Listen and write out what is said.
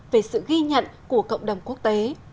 về sự ghi nhận của cộng đồng quốc tế